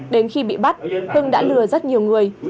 đến khi bị bắt hưng đã lừa rất nhiều người